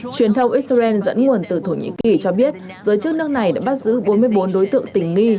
truyền thông israel dẫn nguồn từ thổ nhĩ kỳ cho biết giới chức nước này đã bắt giữ bốn mươi bốn đối tượng tình nghi